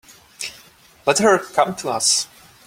Let her come to us.